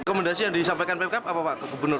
rekomendasi yang disampaikan pemkap apa pak ke gubernur